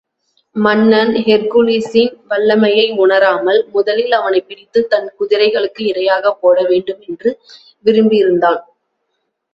மன்னன், ஹெர்க்குலிஸின் வல்லமையை உனராமல், முதலில் அவனைப் பிடித்துத் தன் குதிரைகளுக்கு இரையாகப் போட வேண்டுமென்று விரும்பியிருந்தான்.